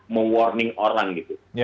mewarning orang gitu